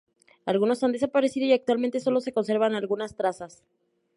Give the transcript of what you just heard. Algunos han desaparecido y actualmente solo se conservan algunas trazas.